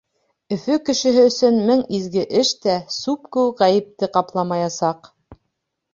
Өфө кешеһе өсөн мең изге эш тә сүп кеүек ғәйепте ҡапламаясаҡ.